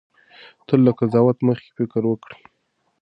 تل له قضاوت مخکې فکر وکړئ.